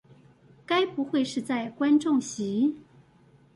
該不會是在觀眾席